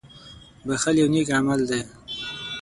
• بښل یو نېک عمل دی.